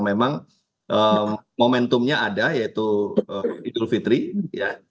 memang momentumnya ada yaitu idul fitri ya